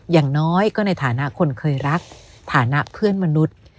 อย่างน้อยก็ในฐานะคนเคยรักฐานะเพื่อนมนุษย์